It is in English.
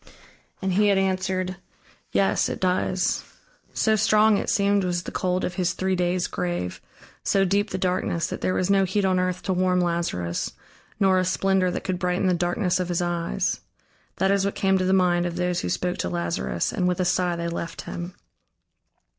And he had answered: "Yes, it does." So strong, it seemed, was the cold of his three days' grave, so deep the darkness, that there was no heat on earth to warm Lazarus, nor a splendor that could brighten the darkness of his eyes. That is what came to the mind of those who spoke to Lazarus, and with a sigh they left him.